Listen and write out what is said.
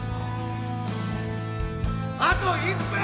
あと１分！！